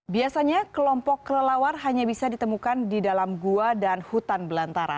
biasanya kelompok kelelawar hanya bisa ditemukan di dalam gua dan hutan belantara